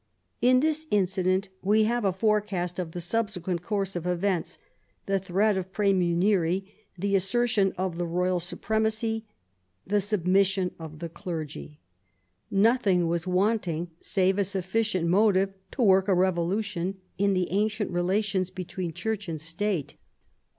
In this incident we have a forecast of the subsequent course of events — the threat of praemunire, the assertion of the royal supremacy, the submission of the clergy Nothing was wanting save a sufficient motive to work a revolution in the ancient relations between Church and State.